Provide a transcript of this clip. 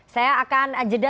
saya akan jeda